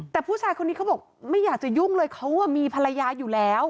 แต่ผู้ชายคนนี้เขาบอกไม่อยากจะยุ่งเลยเขามีภรรยาอยู่แล้ว